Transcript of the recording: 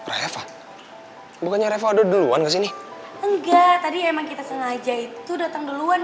reva bukannya revado duluan kesini enggak tadi emang kita sengaja itu datang duluan